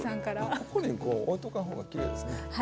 ここに置いとかん方がきれいですね。